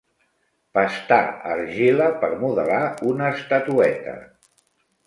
Pastar argila per modelar una estatueta.